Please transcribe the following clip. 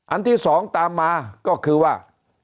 อันที่สองตามมาก็คือว่า